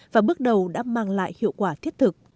và bước đầu đã mang lại hiệu quả thiết thực